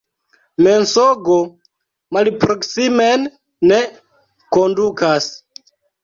Mensogo malproksimen ne kondukas.